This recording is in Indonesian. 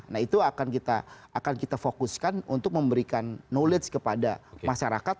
nah itu akan kita fokuskan untuk memberikan knowledge kepada masyarakat